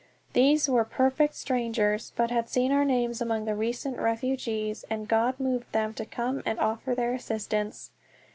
These were perfect strangers, but had seen our names among the recent refugees, and God had moved them to come and offer their assistance!